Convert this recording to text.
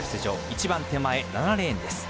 一番手前、７レーンです。